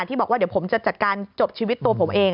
บอกว่าเดี๋ยวผมจะจัดการจบชีวิตตัวผมเอง